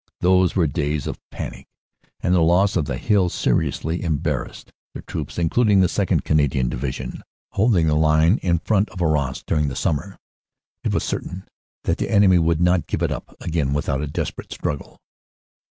Those were days of panic and the loss of the hill seriously embarrassed the troops, including the 2nd. Canadian Division, holding the line in front of Arras during the summer. It was certain that the enemy would not give it up again without a desperate struggle.